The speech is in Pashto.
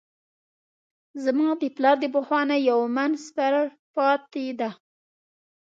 زما د پلار د پهلوانۍ یو من سپر پاته دی.